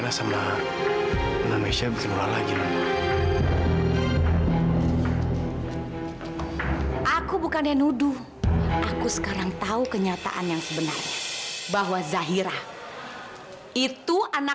papa kamu sudah ditipu sama mama kamu ini